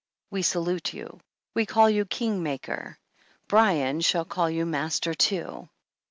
We salute you. We call you King maker. Bryan shall call you Master too.